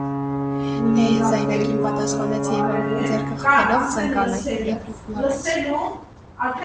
- Է՛հ,- զայրագին պատասխանեց Եվան, ձեռքը խփելով ծնկանը, և լռեց: